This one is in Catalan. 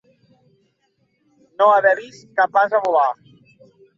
No haver vist cap ase volar.